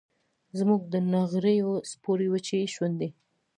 زموږ د نغریو سپورې وچې شونډي